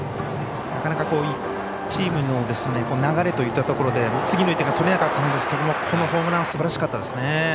なかなか、チームの流れといったところで次の１点が取れなかったんですけどこのホームランすばらしかったですね。